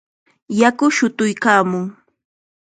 Yaku shutuykaamun.